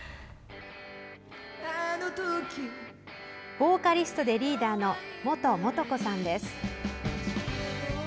ボーカリストでリーダーのもと・もとこさんです。